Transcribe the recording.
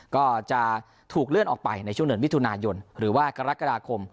ก็จะถูกเลื่อนออกไปในช่วงเดือนมิถุนายนหรือว่ากรกฎาคม